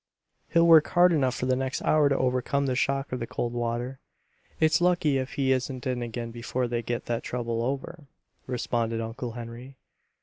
"He'll work hard enough for the next hour to overcome the shock of the cold water. It's lucky if he isn't in again before they get that trouble over," responded Uncle Henry.